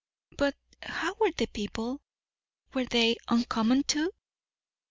"But how were the people? were they uncommon too?